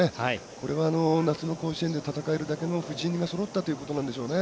これは、夏の甲子園で戦えるだけの布陣がそろったということ